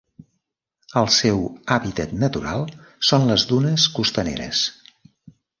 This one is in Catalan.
El seu hàbitat natural són les dunes costaneres.